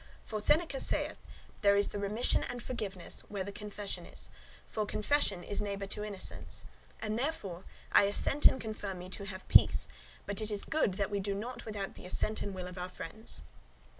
For Seneca saith, 'There is the remission and forgiveness, where the confession is; for confession is neighbour to innocence.' And therefore I assent and confirm me to have peace, but it is good that we do naught without the assent and will of our friends."